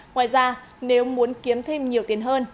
ngoài ra nếu muốn kiếm thêm nhiều tiền hơn